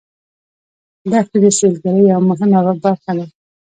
دښتې د سیلګرۍ یوه مهمه برخه ده.